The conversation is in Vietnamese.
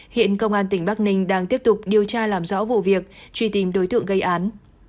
hiện công an tỉnh bắc ninh đang tiếp tục điều tra làm rõ vụ việc truy tìm đối tượng gây án